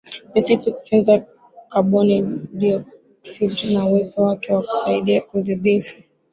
misitu kufyonza kaboni dioksidi na uwezo wake wa kusaidia kudhibiti